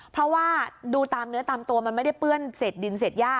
เพราะว่าดูตามเนื้อตามตัวมันไม่ได้เปื้อนเศษดินเศษย่า